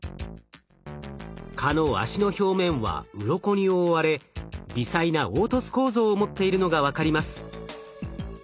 蚊の脚の表面はうろこに覆われ微細な凹凸構造を持っているのが分かります。